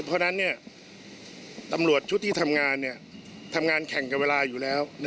เพราะฉะนั้นตำรวจชุดที่ทำงานทำงานแข่งกับเวลาอยู่แล้ว